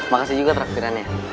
makasih juga terakhirannya